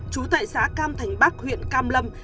chú tại xã cam thành bắc huyện cam lâm